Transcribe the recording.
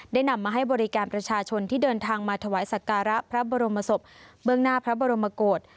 นำมาให้บริการประชาชนที่เดินทางมาถวายสักการะพระบรมศพเบื้องหน้าพระบรมกฏ